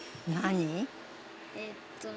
「えっとね」